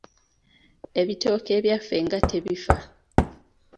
Ebitooke ebyaffe nga tebifa.